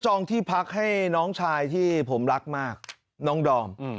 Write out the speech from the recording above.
องที่พักให้น้องชายที่ผมรักมากน้องดอม